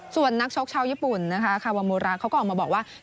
ส่วนนักชกชาวญี่ปุ่นนะคะคาวามูระเขาก็ออกมาบอกว่า